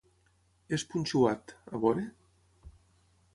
És Punxuat, a veure?